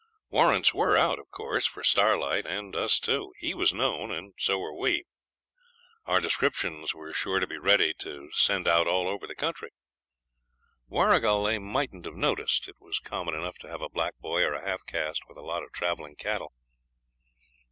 Warrants were out, of course, for Starlight, and us too. He was known, and so were we. Our descriptions were sure to be ready to send out all over the country. Warrigal they mightn't have noticed. It was common enough to have a black boy or a half caste with a lot of travelling cattle.